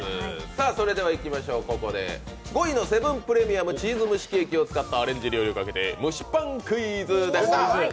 それでは、ここで５位のセブン−イレブンチーズ蒸しケーキを使ったアレンジ料理をかけて蒸しパンクイズです。